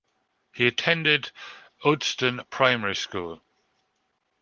He attended Udston Primary School.